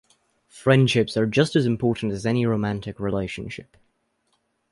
Friendships are just as important as any romantic relationship.